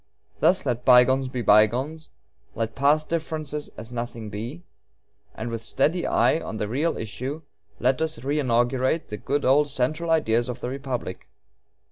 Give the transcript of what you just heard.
Thus let bygones be bygones; let past differences as nothing be; and with steady eye on the real issue, let us reinaugurate the good old 'central ideas' of the republic.